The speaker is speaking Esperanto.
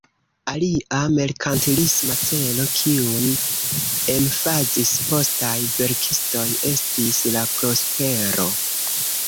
Alia merkantilisma celo, kiun emfazis postaj verkistoj, estis la prospero.